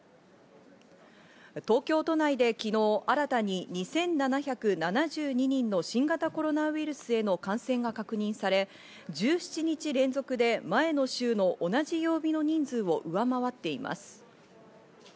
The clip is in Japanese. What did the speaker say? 東京都内で昨日、新たに２７７２人の新型コロナウイルスへの感染が確認され、１７日連続で前の週の同じ曜日の人数を上回っています。